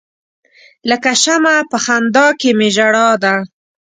لکه شمع په خندا کې می ژړا ده.